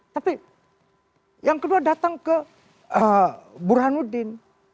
tapi yang kedua datang ke burhanuddin